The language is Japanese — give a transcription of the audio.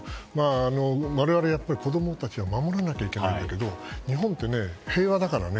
我々は子供たちを守らなければいけないけど日本って平和だからね